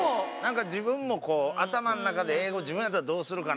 自分もこう頭の中で英語「自分やったらどうするかな？」